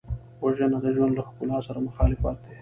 وژنه د ژوند له ښکلا سره مخالفت دی